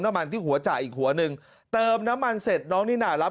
น้ำมันที่หัวจ่ายอีกหัวหนึ่งเติมน้ำมันเสร็จน้องนิน่ารับ